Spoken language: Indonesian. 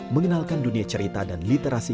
mengenalkan dunia cerita dan literasi